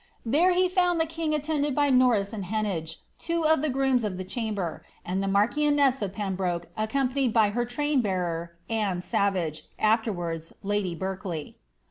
There he found the king attended by Norris and Heneage, two of the grooms of the chamber, and the marchioness of Pembroke accompanied by her train bearer, Anne Savage, afterwards lady Berkely.'